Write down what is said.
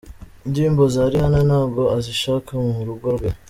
Indirimbo za Rihanna ntabwo azishaka mu rugo rwe.